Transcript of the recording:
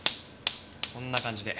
こんな感じで。